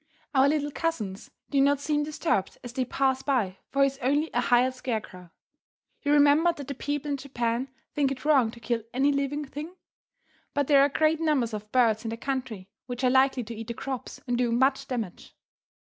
Our little cousins do not seem disturbed as they pass by, for he is only a hired scarecrow. You remember that the people in Japan think it wrong to kill any living thing. But there are great numbers of birds in the country which are likely to eat the crops and do much damage.